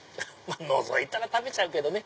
のぞいたら食べちゃうけどね。